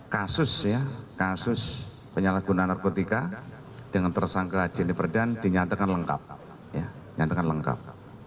kasus penyalahgunaan narkotika dengan tersangka jennifer dunn dinyatakan lengkap